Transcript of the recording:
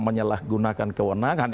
menyelah gunakan kewenangan